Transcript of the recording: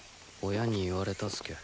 親に言われたすけ。